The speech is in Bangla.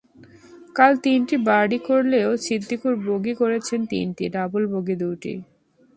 কাল তিনটি বার্ডি করলেও সিদ্দিকুর বগি করেছেন তিনটি, ডাবল বগি দুটি।